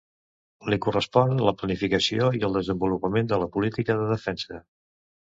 Li correspon la planificació i el desenvolupament de la política de defensa.